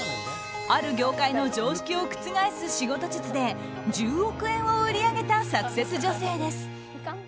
ある業界の常識を覆す仕事術で１０億円を売り上げたサクセス女性です。